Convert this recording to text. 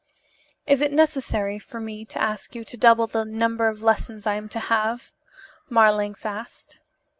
"Is it necessary for me to ask you to double the number of lessons I am to have?" Marlanx asked.